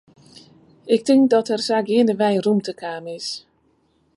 Ik tink dat der sa geandewei rûmte kaam is.